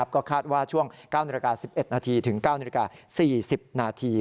ก็คาดว่าช่วง๙นาฬิกา๑๑นาทีถึง๙นาฬิกา๔๐นาที